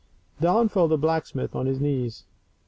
Down fell the blacksmith on his knees.